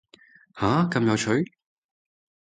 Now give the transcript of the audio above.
下，咁有趣